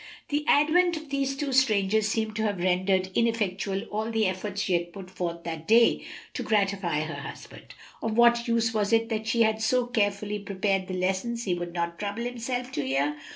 The advent of these two strangers seemed to have rendered ineffectual all the efforts she had put forth that day to gratify her husband; of what use was it that she had so carefully prepared the lessons he would not trouble himself to hear?